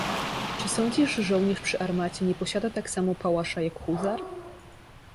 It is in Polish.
"Czy sądzisz, że żołnierz przy armacie nie posiada tak samo pałasza, jak huzar?"